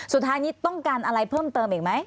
สุดท้ายนี้ต้องการอะไรเพิ่มเติมอีกไหม